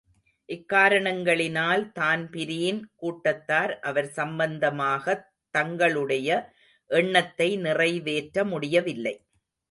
இக்காரணங்களினால் தான்பிரீன் கூட்டத்தார் அவர் சம்பந்தமாகத் தங்களுடைய எண்ணத்தை நிறைவேற்ற முடியவில்லை.